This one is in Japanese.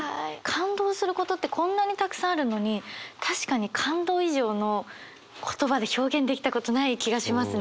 感動することってこんなにたくさんあるのに確かに「感動」以上の言葉で表現できたことない気がしますね。